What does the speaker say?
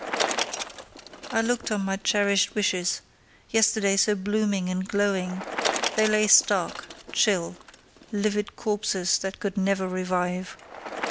I looked on my cherished wishes, yesterday so blooming and glowing; they lay stark, chill, livid corpses that could never revive.